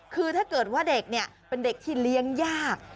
คือถ้าเกิดว่าเด็กเนี่ยเป็นเด็กที่เลี้ยงยาก